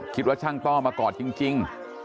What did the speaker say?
คิดว่าช่างต้อมากอดจริง